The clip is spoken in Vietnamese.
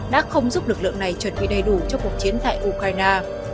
đã không giúp lực lượng này chuẩn bị đầy đủ cho cuộc chiến tại ukraine